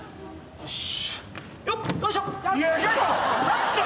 よし。